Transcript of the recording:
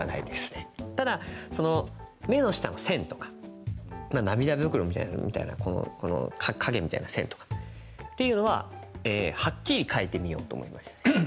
ただ、目の下の線とか涙袋みたいな影みたいな線とかというのは、はっきり描いてみようと思いました。